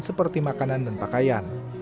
seperti makanan dan pakaian